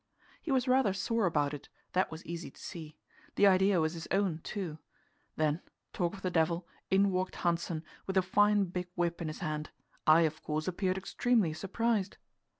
He was rather sore about it, that was easy to see; the idea was his own, too. Then talk of the devil in walked Hanssen, with a fine big whip in his hand. I, of course, appeared extremely surprised.